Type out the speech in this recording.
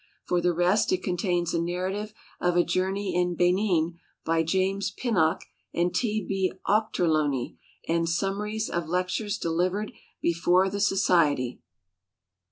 For the rest it contains a narrative of a journey in Benin by James Pinnock and T. B. Auchterlunie, and .Num maries of lectures delivered before the society.